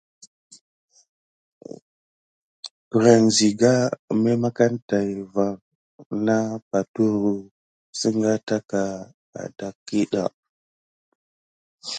Prəŋ ziga mimakia tät van na paturu singa tákà aɗakiɗa.